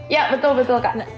ya betul betul kak